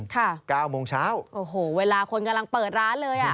ค่ะโอ้โหเวลาคนกำลังเปิดร้านเลย